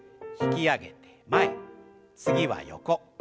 引き上げて前次は横。